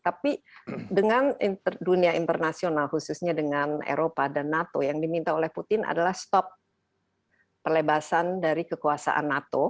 tapi dengan dunia internasional khususnya dengan eropa dan nato yang diminta oleh putin adalah stok pelebasan dari kekuasaan nato